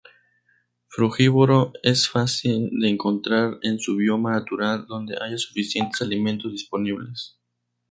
Frugívoro, es fácil de encontrar en su bioma natural, donde haya suficientes alimentos disponibles.